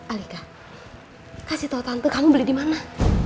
alika kasih tau tante kamu beli di mana